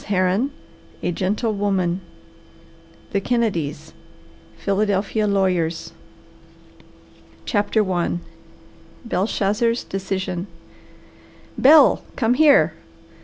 HERRON, A Gentle Woman. THE KENNEDYS, Philadelphia Lawyers. THE HARVESTER CHAPTER I. BELSHAZZAR'S DECISION "Bel, come here!"